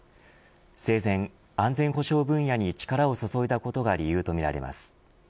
生前、安全保障分野に力を注いだことが理由とみられます。